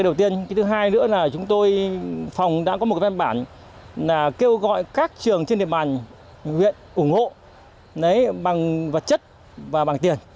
đầu tiên thứ hai nữa là chúng tôi phòng đã có một văn bản kêu gọi các trường trên địa bàn huyện ủng hộ bằng vật chất và bằng tiền